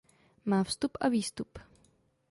Má vstup a výstup.